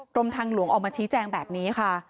กรมทางหลวงออกมาชี้แจงแบบนี้ค่ะ